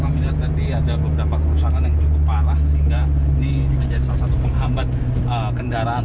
kami lihat tadi ada beberapa kerusakan yang cukup parah sehingga ini menjadi salah satu penghambat kendaraan